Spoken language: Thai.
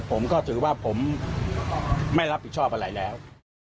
ผมก็ถือว่าผมไม่รับผิดชอบอะไรแล้ว